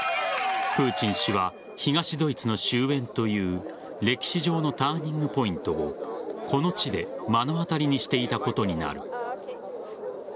プーチン氏は東ドイツの終焉という歴史上のターニングポイントをこの地で目の当たりにしていたことになる。